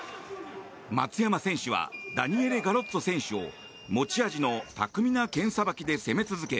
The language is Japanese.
松山選手はダニエレ・ガロッツォ選手を持ち味の巧みな剣さばきで攻め続け